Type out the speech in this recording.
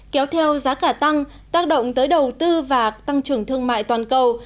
kéo theo giá cả tăng tác động tới đầu tư và tăng trưởng thương mại toàn cầu